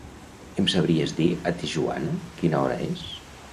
Em sabries dir a Tijuana quina hora és?